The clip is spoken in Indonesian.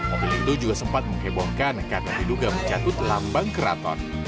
mobil itu juga sempat menghebohkan karena diduga mencatut lambang keraton